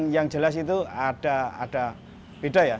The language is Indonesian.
yang jelas itu ada beda ya